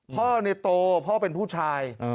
พ่อเนี่ยโตพ่อเป็นผู้ชาย